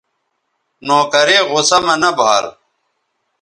نوکرے غصہ مہ نہ بھال